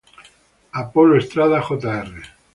Apolo Estrada, Jr.